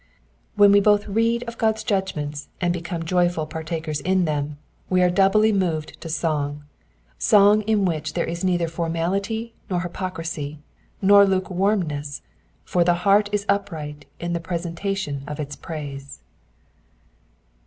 When we both read of God's judgments and become joyful par takers in them, we are doubly moved to song — song in which there is neither formality, nor hypocrisy, nor lukewarmness, for the heart is upright in the presentation of its praise.